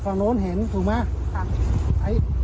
คนกับฝั่งโน้นเห็นถูกไหม